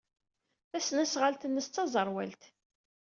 Tasnasɣalt-nnes d taẓerwalt.